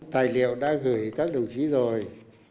tài liệu đã gửi các đồng chí rồi